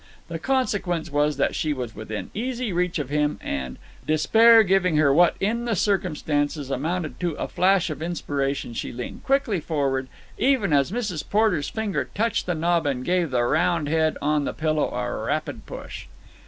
The consequence was that she was within easy reach of him; and, despair giving her what in the circumstances amounted to a flash of inspiration, she leaned quickly forward, even as Mrs. Porter's finger touched the knob, and gave the round head on the pillow a rapid push.